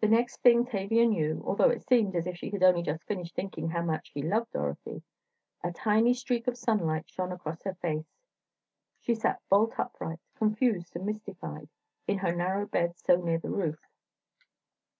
The next thing Tavia knew, although it seemed as if she had only just finished thinking how much she loved Dorothy, a tiny streak of sunlight shone across her face. She sat bolt upright, confused and mystified, in her narrow bed so near the roof.